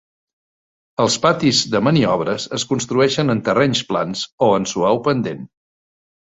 Els patis de maniobres es construeixen en terrenys plans, o en suau pendent.